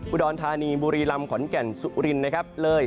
อุดรธานีบุรีลำขอนแก่นสุรินร์